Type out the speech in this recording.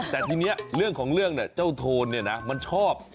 แต่ทีนี้เรื่องของเรื่องเนี่ยเจ้าโทนเนี่ยนะมันชอบ